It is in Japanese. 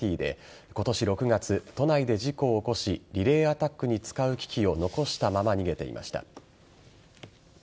高級外車マセラティで今年６月、都内で事故を起こしリレーアタックに使う機器を残したまま逃げていました。